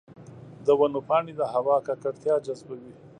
د ونو پاڼې د هوا ککړتیا جذبوي.